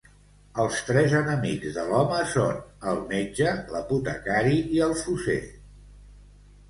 Els tres enemics de l'home són: el metge, l'apotecari i el fosser.